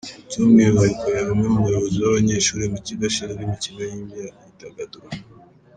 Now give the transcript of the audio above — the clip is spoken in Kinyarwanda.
By’umwihariko yari umwe mu bayobozi b’abanyeshuri mu kigo, ashinzwe imikino n’imyidagaduro.